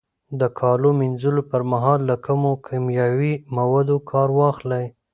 د کالو مینځلو پر مهال له کمو کیمیاوي موادو کار واخلئ.